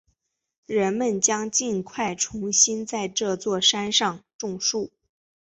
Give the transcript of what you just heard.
人们将尽快重新在这座山上种树。